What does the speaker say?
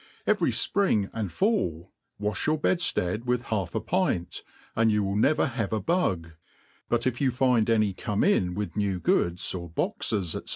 Every fpring^ and fall, wafh your bedftead with half a pint, and you will ne >cr have a bug j but »f you find any come in with new goods or boxes, &c.